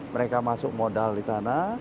mereka masuk modal di sana